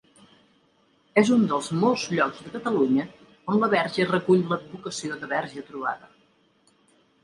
És un dels molts llocs de Catalunya on la Verge recull l'advocació de Verge trobada.